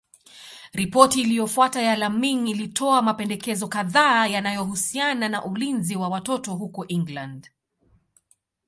Ripoti iliyofuata ya Laming ilitoa mapendekezo kadhaa yanayohusiana na ulinzi wa watoto huko England.